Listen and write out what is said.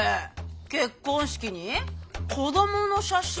結婚式に子どもの写真？